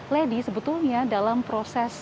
lady sebetulnya dalam prosesnya